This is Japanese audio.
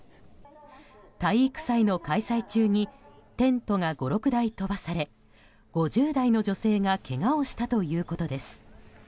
体育祭の開催中にテントが５６台飛ばされ５０代の女性がけがをしたということです。